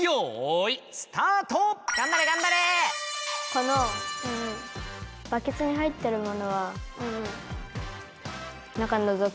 このバケツに入ってるものは中のぞくと。